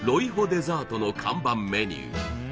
デザートの看板メニュー